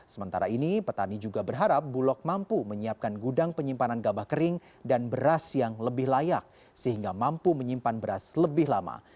sementara ini petani juga berharap bulog mampu menyiapkan gudang penyimpanan gabah kering dan beras yang lebih layak sehingga mampu menyimpan beras lebih lama